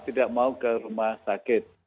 tidak mau ke rumah sakit